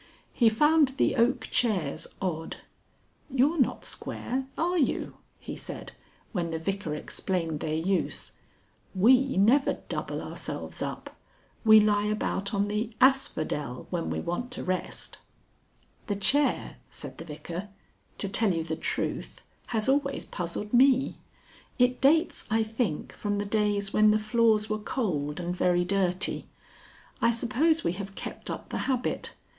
He found the oak chairs odd "You're not square, are you?" he said, when the Vicar explained their use. "We never double ourselves up. We lie about on the asphodel when we want to rest." "The chair," said the Vicar, "to tell you the truth, has always puzzled me. It dates, I think, from the days when the floors were cold and very dirty. I suppose we have kept up the habit.